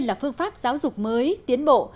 là phương pháp giáo dục mới tiến bộ